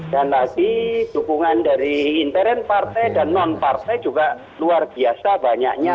dan lagi dukungan dari intern partai dan non partai juga luar biasa banyaknya